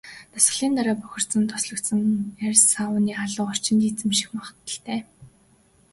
Дасгалын дараа бохирдсон, тослогжсон арьс сауны халуун орчинд эмзэгших магадлалтай.